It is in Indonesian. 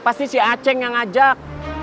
pasti si aceh yang ngajak